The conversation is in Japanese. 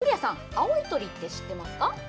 古谷さん、「青い鳥」って知ってますか？